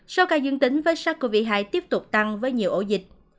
số ca dương tính với sars cov hai tiếp tục tăng với nhiều ổ dịch